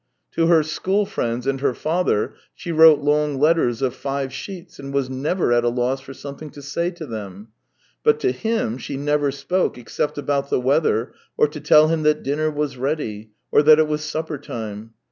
To her school friends and her father she wrote long letters of five sheets, and was never at a loss for something to say to them, but to him she never spoke except about the weather or to tell him that dinner was ready, or that it was supper time.